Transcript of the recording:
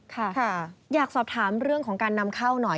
ค่ะอยากสอบถามเรื่องของการนำเข้าหน่อย